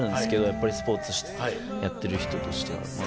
やっぱりスポーツやってる人としては。